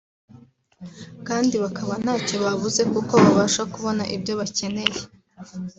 kandi bakaba ntacyo babuze kuko babasha kubona ibyo bakeneye